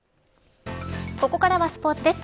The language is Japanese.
ここからスポーツです。